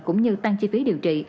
cũng như tăng chi phí điều trị